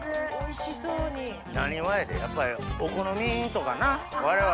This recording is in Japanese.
なにわやでやっぱりお好みとかな我々。